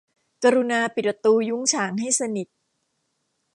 กรุณาปิดประตูยุ้งฉางให้สนิท